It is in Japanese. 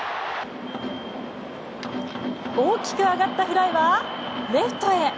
大きく上がったフライはレフトへ。